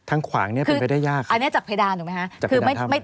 อันนี้จากเพดานใช่ไหมคะ